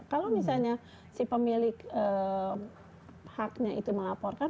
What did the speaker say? kalau misalnya si pemilik haknya itu melaporkan